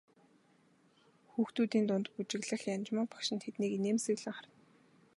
Хүүхдүүдийн дунд бүжиглэх Янжмаа багш нь тэднийг инээмсэглэн харна.